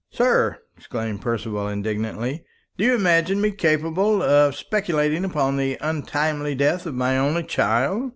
"Sir," exclaimed Percival indignantly, "do you imagine me capable of speculating upon the untimely death of my only child?"